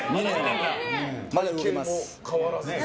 まだいけます。